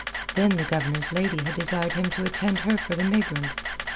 Then the Governor's lady had desired him to attend her for the megrims.